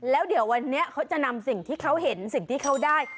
แล้วเดี๋ยววันนี้เขาจะนำสิ่งที่เขาเห็นสิ่งที่เขาได้